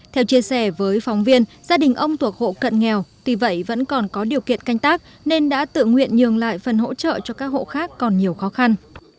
theo chia sẻ với phóng viên gia đình ông thuộc hộ cận nghèo tuy vậy vẫn còn có điều kiện canh tác nên đã tự nguyện nhường lại phần hỗ trợ cho các hộ khác còn nhiều khó khăn